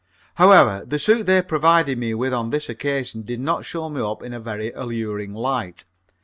However, the suit they provided me with on this occasion did not show me up in a very alluring light.